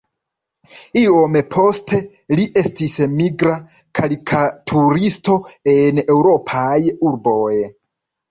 Iom poste li estis migra karikaturisto en eŭropaj urboj.